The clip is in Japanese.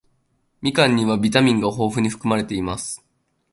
みかんにはビタミンが豊富に含まれています。